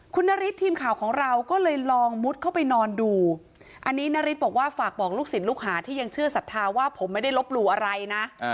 คุณนฤทธิ์ทีมข่าวของเราก็เลยลองมุดเข้าไปนอนดูอันนี้นาริสบอกว่าฝากบอกลูกศิษย์ลูกหาที่ยังเชื่อศรัทธาว่าผมไม่ได้ลบหลู่อะไรนะ